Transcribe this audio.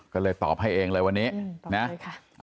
ก็เลยตอบให้เองเลยวันนี้นะอาจารย์พูดได้ไหมครับอเรนนี่ตอบได้ค่ะ